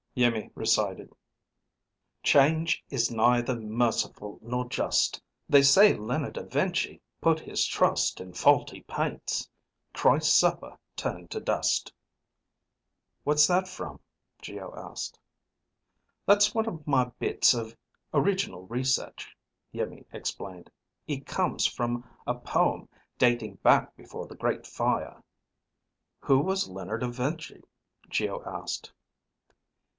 Iimmi recited: "_Change is neither merciful nor just. They say Leonard of Vinci put his trust in faulty paints: Christ's Supper turned to dust._" "What's that from?" Geo asked. "That's one of my bits of original research," Iimmi explained. "It comes from a poem dating back before the Great Fire." "Who was Leonard of Vinci?" Geo asked.